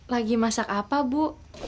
lagi masak apa bu